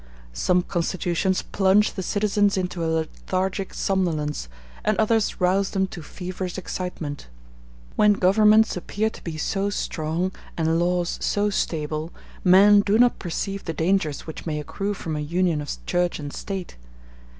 Some constitutions plunge the citizens into a lethargic somnolence, and others rouse them to feverish excitement. When governments appear to be so strong, and laws so stable, men do not perceive the dangers which may accrue from a union of Church and State.